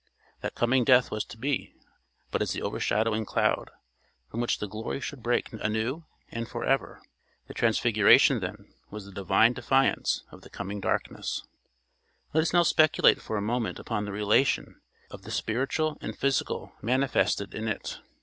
That coming death was to be but as the overshadowing cloud, from which the glory should break anew and for ever. The transfiguration then was the divine defiance of the coming darkness. Let us now speculate for a moment upon the relation of the spiritual and physical manifested in it.